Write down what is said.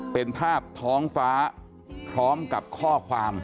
เป็นภาพท้องฟ้าพร้อมกับข้อความ